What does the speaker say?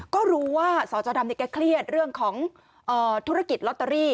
ก็รู้ว่าสจดำแกเครียดเรื่องของธุรกิจลอตเตอรี่